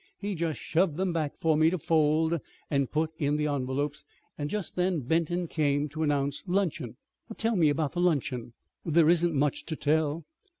He just shoved them back for me to fold and put in the envelopes; and just then Benton came to announce luncheon." "But tell me about the luncheon." "There isn't much to tell.